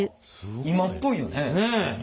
今っぽいよね。ね！